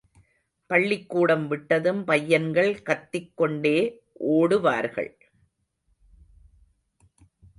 பள்ளிக்கூடம் விட்டதும் பையன்கள் கத்திக் கொண்டே ஓடுவார்கள்.